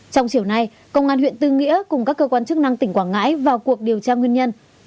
trong chiều nay công an huyện tư nghĩa cùng các cơ quan chức năng tỉnh quảng ngãi vào cuộc điều tra nguyên nhân